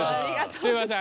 すいません